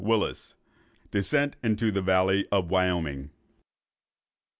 DESCENT INTO THE VALLEY OF WYOMING.